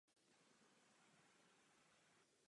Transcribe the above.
Přesné datum jejího založení však není známo.